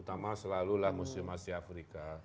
utama selalu lah museum asia afrika